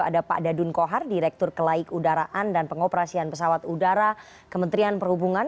ada pak dadun kohar direktur kelaik udaraan dan pengoperasian pesawat udara kementerian perhubungan